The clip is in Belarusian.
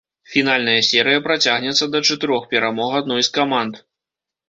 Фінальная серыя працягнецца да чатырох перамог адной з каманд.